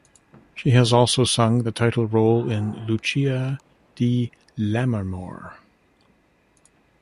She has also sung the title role in "Lucia di Lammermoor".